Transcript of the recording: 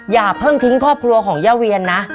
อย่าเพิ่งทิ้งครอบครัวของย่าเวียนนะ